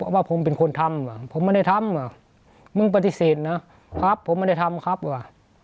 ว่าผมเป็นคนทำว่ะผมไม่ได้ทำว่ะมึงปฏิเสธนะครับผมไม่ได้ทำครับว่ะ